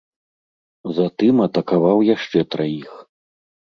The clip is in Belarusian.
Затым атакаваў яшчэ траіх.